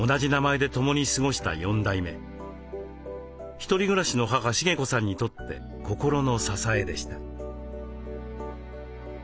一人暮らしの母・茂子さんにとって心の支えでした。